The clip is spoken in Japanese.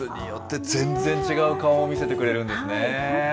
季節によって全然違う顔を見せてくれるんですね。